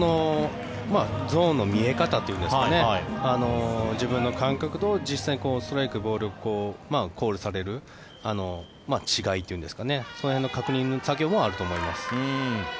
ゾーンの見え方というんですかね自分の感覚と実際にストライク、ボールがコールされる違いというんですかその辺の確認作業もあると思います。